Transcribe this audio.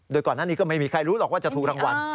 โดยก่อนหน้านี้ก็ไม่มีใครรู้หรอกว่าจะถูกรางวัล